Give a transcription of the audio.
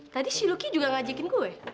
tadi si luki juga ngajakin kue